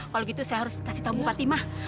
kalau gitu saya harus kasih tahu bupati mah